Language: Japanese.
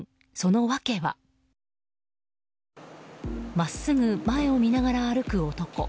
真っすぐ前を見ながら歩く男。